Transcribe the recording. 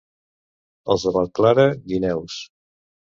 Els de Vallclara, guineus.